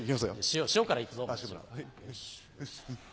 塩から行くぞ。